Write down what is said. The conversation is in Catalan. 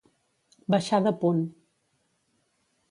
Baixar de punt.